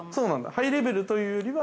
◆ハイレベルというよりは。